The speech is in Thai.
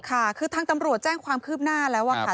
ค่ะคือทางตำรวจแจ้งความคืบหน้าแล้วค่ะ